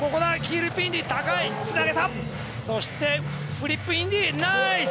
フリップインディ、ナイス！